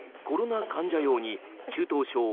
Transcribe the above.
コロナ患者用に中等症